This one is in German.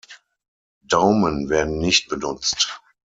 Daumen werden nicht benutzt.